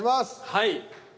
はい。